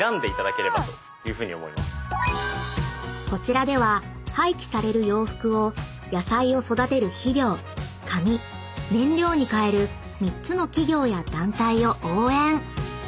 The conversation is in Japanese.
［こちらでは廃棄される洋服を野菜を育てる肥料紙燃料に変える３つの企業や団体を応援］